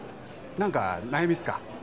何か悩みっすか？